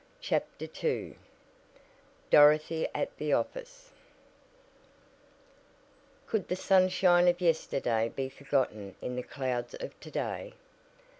CHAPTER II DOROTHY AT THE OFFICE Could the sunshine of yesterday be forgotten in the clouds of to day?